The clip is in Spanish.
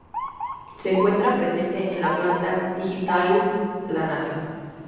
Se encuentra presente en la planta "Digitalis lanata".